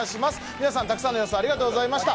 皆さん、たくさんの予想をありがとうございました。